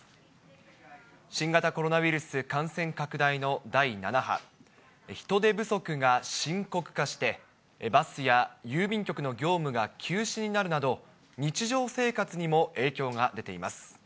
急な雨にも十分お気をつけくださ人手不足が深刻化して、バスや郵便局の業務が休止になるなど、日常生活にも影響が出ています。